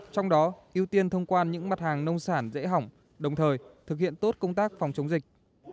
trong đó ưu tiên thông quan những mặt hàng nông sản dễ hỏng đồng thời thực hiện tốt công tác phòng chống dịch